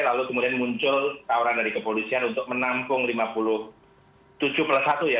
lalu kemudian muncul tawaran dari kepolisian untuk menampung lima puluh tujuh plus satu ya